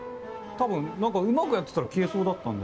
多分何かうまくやってたら消えそうだったんで。